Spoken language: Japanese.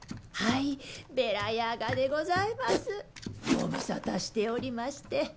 ご無沙汰しておりまして。